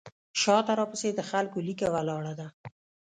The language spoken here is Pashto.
شاته راپسې د خلکو لیکه ولاړه ده.